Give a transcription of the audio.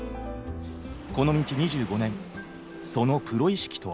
この道２５年そのプロ意識とは？